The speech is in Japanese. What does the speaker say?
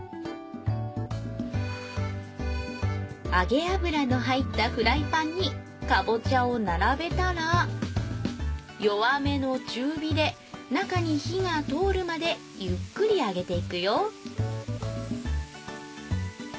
揚げ油の入ったフライパンにかぼちゃを並べたら弱めの中火で中に火が通るまでゆっくり揚げていくよ